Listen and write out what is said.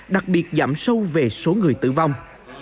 đặc biệt giảm sâu về số người tử vong